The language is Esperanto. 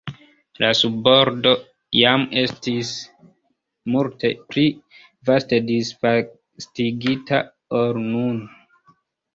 La subordo iam estis multe pli vaste disvastigita ol nun.